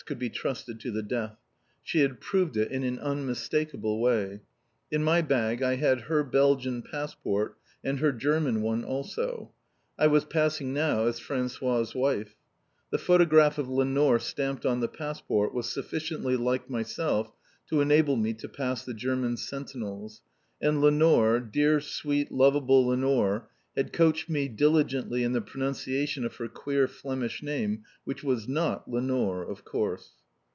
could be trusted to the death. She had proved it in an unmistakable way. In my bag I had her Belgian passport and her German one also. I was passing now as François' wife. The photograph of Lenore stamped on the passport was sufficiently like myself to enable me to pass the German sentinels, and Lenore, dear, sweet, lovable Lenore, had coached me diligently in the pronunciation of her queer Flemish name which was not Lenore, of course.